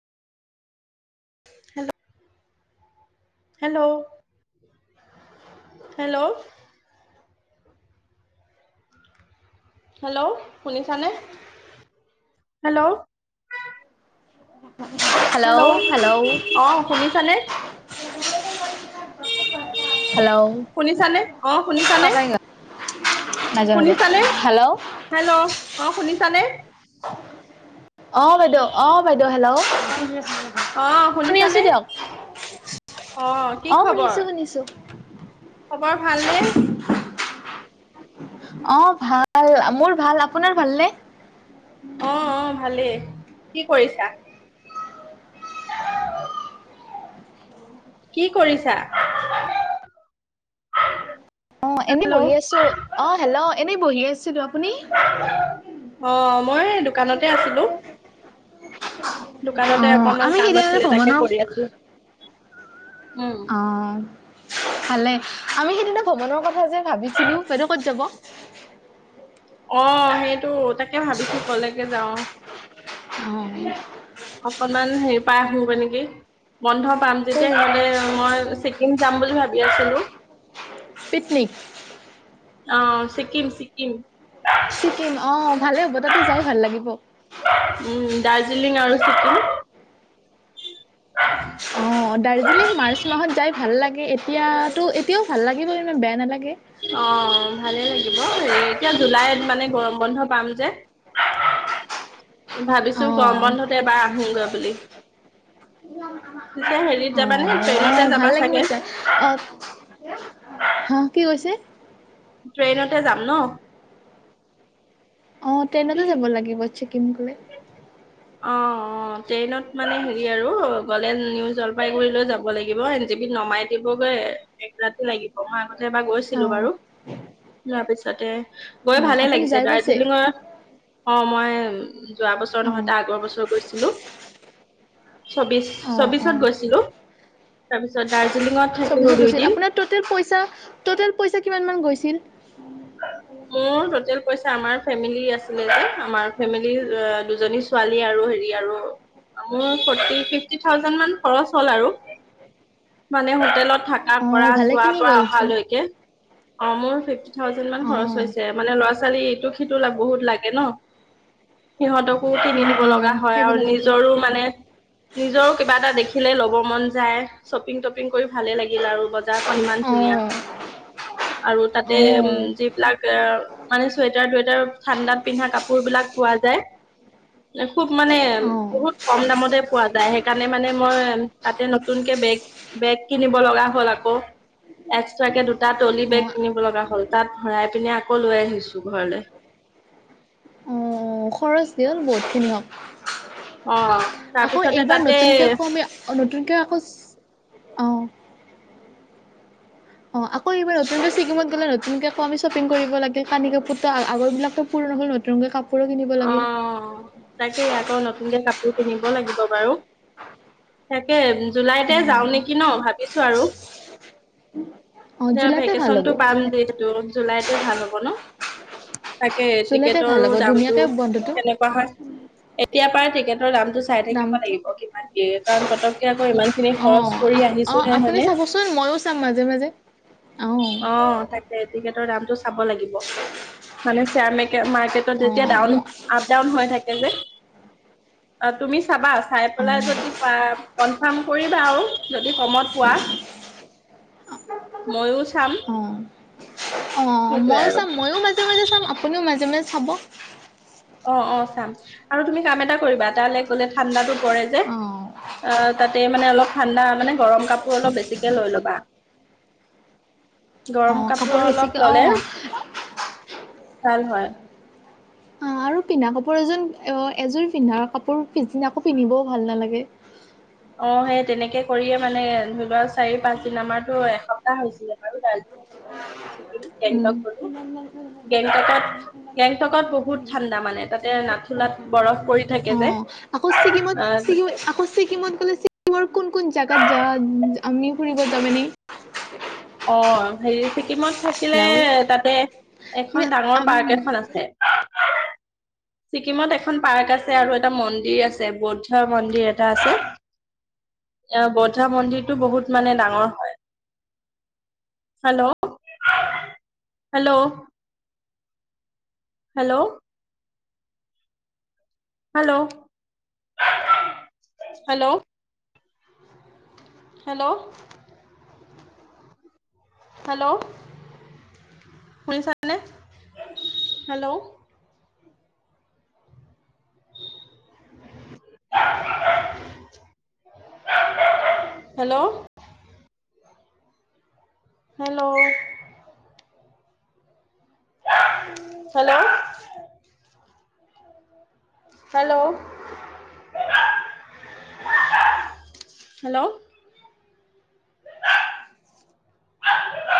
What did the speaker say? Hello, hello, hello. Hello, শুনিছানে, hello. [unintelligible] Hello, অ' শুনিছানে? [unintelligible] হেল্ল' শুনিছানে, অ' শুনিছানে? পাপাই নাযাওঁ নাযাওঁ শুনিছানে, হেল্ল' হেল্ল' অ' শুনিছ ছানে? অ বাইদেউ অ বাইদেউ, হেল্ল', অ অ শুনি আছো শুনিছানে? দিয়ক অ কি অ' খবৰ? শুনিছো শুনিছো। খবৰ ভালনে? অ' ভাল, মোৰ ভাল, আপোনাৰ ভালনে? অ', অ'। ভালেই, কি কৰিছা? কি কৰিছা? অ' এনে হেল্ল' বহি আছো, অ' হেল্ল'। এনেই বহি আছো ৰ। অ' মই দোকানতে আছিলো। অ দোকানতে অকনমান আমি কাম সেইদিনা আছিলে, তাকে ভ্ৰমণৰ কৰি আছিলো। উম অ'। ভালে, আমি সেইদিনা ভ্ৰমণৰ কথা যে ভাবিছিলো, বাইদ' ক'ত যাব? অ' সেইটো, তাকে ভাবিছো কলেকে যাও। হয়। অকনমান হেৰি পাই আহোগৈ নেকি, বন্ধ পাম তেতিয়াহ'লে মই ছিকিম যাম বুলি ভাবি আছিলো। পিকনিক। অ' ছিকিম, ছিকিম। কিম, অহ ভালে হব, তাতে যাই ভাল লাগিব। উম, দাৰ্জিলিং আৰু ছিকিম। [unintelligible] অ, দাৰ্জিলিং মাৰ্চ মাহত যাই ভাল লাগে এ-এতিয়া তো এতিয়াও ভাল লাগিব ইমান বেয়া নালাগে অ, ভালে লাগিব। এই এতিয়া জুলাইত মানে গৰম বন্ধ পাম জে অহ, বুলি। পিছে হেৰিত যাবানে ট্ৰেইনতে অঁ-অ যাবা ভাল লাগিব চাগে চাই অ হা কি কৈছে? ট্ৰেইনতে যাম ন? অহ, ট্ৰেইনতে যাব লাগিব ছিকিম গৈ অ, অ, ট্ৰেইনত মানে হেৰি আৰু গ'লে নিউ জলপাইগুৰিলৈ যাব লাগিব। এন জি বি নমাই দিবগৈ এক ৰাতি লাগিব। মই আগতে এবাৰ গৈছিলো অ' বাৰু। তাৰপিছতে গৈ অ' ভালে আপুনি লাগিছে যাই পাইছে? দাৰ্জিলিঙৰ অ', মই যোৱা বছৰ নহয় অ' তাৰ আগৰ বছৰ গৈছিলোঁ চৌব্বিশ অ' চৌব্বিশত গৈছিলোঁ তাৰপিছত দাজ চৌব্বিশত গৈছিল, আপোনাৰ টোটেল পইচা, টোটেল পইচা কিমানমান গৈছিল? [inaudible] মোৰ টোটেল পইচা আমাৰ ফেমিলি আছিলে যে আমাৰ ফেমিলিৰ অ', দুজনী ছোৱালী আৰু হেৰি আৰু মোৰ ফ'ৰটি ফিফটি থাউজেণ্ড মান খৰছ হ'ল আৰু মানে হোটেলত থাক আৰ পৰা অ' যোৱাৰ ভালেখিনি পৰা গ'লচোন অহালৈকে। অ', মোৰ ফিফ থাউজেণ্ড মান খৰছ অ' হৈছে মানে লৰা-ছোৱালীক ইটো সিটো লা বহুত লাগে ন', সিহঁতকো কিনি অ' দিব লগ এয়া অ' হয় আৰু সেইবিলাকৰ গ'ল নিজৰো মানে নিজৰো কিবা এটা দেখিলে ল'ব মন যায় শ্বপিং তপিং কৰি ভালে লাগিল আৰু বজাৰখন ইমান ধুনীয়া অ' আৰু তাত এ উম, অ' যিবিলাক অ', মানে চুৱেটাৰ টুৱেটাৰ ঠাণ্ডাত পিন্ধা কাপোৰ বিলাক পোৱা যায়, খুব মানে বহুত অ' কম দামতে পোৱা যায় সেইকাৰণে মানে মই তাতে নতুনকে বেগ, বেগ কিনিব লগা হ'ল আকৌ এক্সট্ৰাকে দুটা ট্ৰলী বেগ অ' কিনিব লগা হ'ল তাত ভৰাই পিনে আকৌ লৈ আহিছো ঘৰলৈ। অ' খৰচ দিয়ল বহুতখিনি হ'ক। অ'। আকৌ তাৰপিছতে এইবাৰ তাতে নতুনকে আকৌ আমি, নতুনকো আকৌ চ অ'। অ' আকৌ এবাৰ নতুনকে ছিকিমত গ'লে নতুনকে আকৌ আমি চপিং কৰিব লাগে কানি কাপোৰটো আগৰ বিলাকো পুৰণা হ'ল নতুনকৈ কাপো পোৰো কিনিব অ লাগিল। তাকে আকৌ নতুনকে কাপোৰ কিনিব লাগিব বাৰু তাকে জুলাইতে যাওঁ অ' নেকি ন' ভাবিছো আৰু। অ' না, জুলাইতে ভাল হ'ব ভেকেচনটো পাম যিটো জুলাইত তে ভাল হ'ব ন'? তাকে জুলাইতে ভাল টিকেটৰো হ'ব দাম ধুনীয়াকে ত', বন্ধটো কেনেকুৱা হয় এতিয়াপা পাৰ টিকেট টৰ দামটো চাই থাকিব দামটো লাগিব, কিমান দিয়ে কাৰণ পটককাত ইমান খিনি খৰচ অ' কৰি আহিছো অ' আপুনি হে চাবচোন ময়ো চাম মাজে মাজে অ টিকেটৰ দামটো চাব লাগিব মানে শ্বেয়াৰ ম মাৰ্কেটত তেতিয়া অ' ডাউন ম আপ ডাউন হৈ থাকে তুমি চাবা চাই পেলাই অ' যদি প কনফাৰ্ম কৰিবা আৰু যদি কমত পোৱা ময়ো চাম অ' অ সেইটোৱে ময়ো আৰু চাম ময়ও মাজে মাজে চাম আপুনিও মাজে মাজে খাব অ অ চাম আৰু তুমি কাম এটা কৰিবা তালৈ গলে ঠাণ্ডাতটো পৰে যে অ' আহ তাতে মানে অলপ ঠাণ্ডা মানে গৰম কাপোৰ অলপ বেছিকে লৈ ল'বা গৰম অ', কাপোৰ অলপ বেছিকে ললে অ'। ভাল হয় অ', আৰু পিন্ধা কাপোৰ এজন এযোৰ পিন্ধা কাপোৰ পিছদিনা আকৌ পিন্ধিবও ভাল নালাগে অ সেই তেনেকে কৰিয়ে মানে ধৰি লোৱা চাৰি পাঁচদিন আমাৰতো এসপ্তাহ হৈছিলে বাৰুাৰ্ উম, গেংটক গলো গেংটকত গেংটকত বহুত ঠাণ্ডা মানে তাতে নাথুলাত বৰফ পৰি থাকে যে অ', আকৌ ছিকিমতিকি আহ আকৌ ছিকিমত গ'লে াৰ কোন কোন জাগাত যা আমনি ফুৰিব যাব ন অ হেৰি ছিকিমত থাকিলে হেল্ল' তাতে এখন ডাঙৰ পাৰ্ক আমি এখন আছে ছিকিমত এখন পাৰ্ক আছে আৰু এটা মন্দিৰ আছে বৌদ্ধ মন্দিৰ এটা আছে বৌদ্ধ মন্দিৰটো বহুত মানে ডাঙৰ হয় hello hello hello hello hello hello hello শুনিছনে hello hello hello hello hello hello